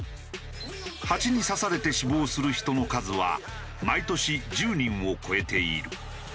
ハチに刺されて死亡する人の数は毎年１０人を超えている。